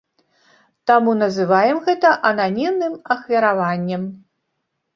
Таму называем гэта ананімным ахвяраваннем.